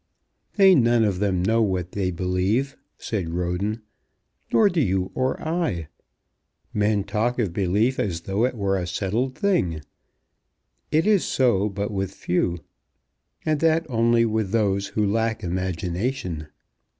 "They none of them know what they believe," said Roden; "nor do you or I. Men talk of belief as though it were a settled thing. It is so but with few; and that only with those who lack imagination.